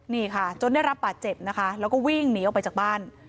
นี่ค่ะจนได้รับบาดเจ็บนะคะแล้วก็วิ่งหนีออกไปจากบ้าน